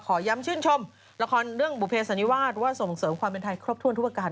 ขอย้ำชื่นชมละครเรื่องบุเภสันนิวาสว่าส่งเสริมความเป็นไทยครบถ้วนทุกประการ